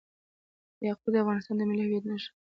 یاقوت د افغانستان د ملي هویت نښه ده.